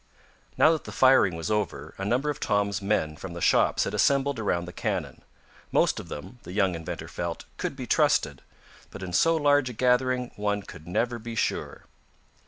Now that the firing was over, a number of Tom's men from the shops had assembled around the cannon. Most of them, the young inventor felt, could be trusted, but in so large a gathering one could never be sure.